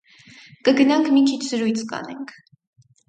Կգնանք մի քիչ զրույց կանենք: